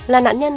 là nạn nhân